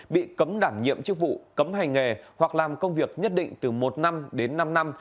bị cấm đảm nhiệm chức vụ cấm hành nghề hoặc làm công việc nhất định từ một năm đến năm năm